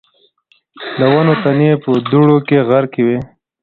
د ونو تنې په دوړو کې غرقي وې.